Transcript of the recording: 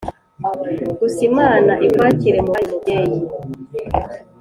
Gusa imana ikwakire mubayo mubyeyi